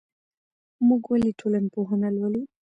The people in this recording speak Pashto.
موږ ولي ټولنپوهنه لولو؟